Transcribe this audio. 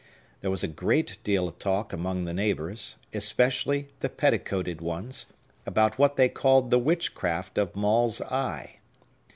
There was a great deal of talk among the neighbors, particularly the petticoated ones, about what they called the witchcraft of Maule's eye.